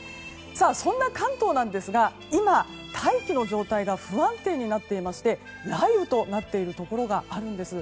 そんな関東ですが今、大気の状態が不安定になっていまして雷雨となっているところがあるんです。